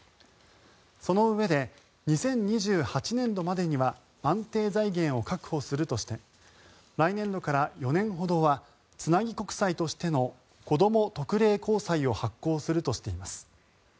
そのうえで２０２８年度までには安定財源を確保するとして来年度から４年ほどはつなぎ国債としてのこども特例公債を発行するとしています。